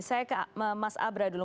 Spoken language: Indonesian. saya ke mas abra dulu